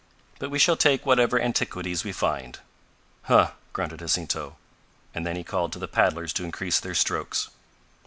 But we shall take whatever antiquities we find." "Huh!" grunted Jacinto, and then he called to the paddlers to increase their strokes.